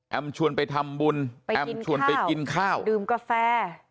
ชวนไปทำบุญแอมชวนไปกินข้าวดื่มกาแฟ